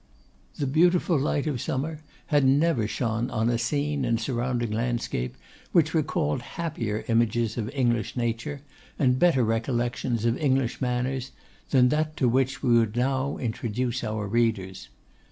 The beautiful light of summer had never shone on a scene and surrounding landscape which recalled happier images of English nature, and better recollections of English manners, than that to which we would now introduce our readers.